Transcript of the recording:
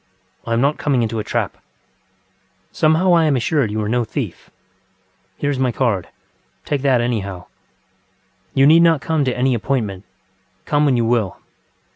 I am not coming into a trap. ŌĆØ ŌĆ£Somehow I am assured you are no thief. Here is my card. Take that, anyhow. You need not come to any appointment. Come when you will.